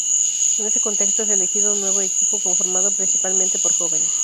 En ese contexto es elegido un nuevo equipo, conformado, principalmente por jóvenes.